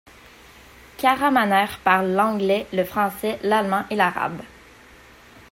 Kahramaner parle l'anglais, le français, l'allemand et l'arabe.